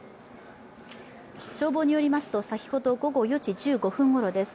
消防によりますと、先ほど午後４時１５分ごろです。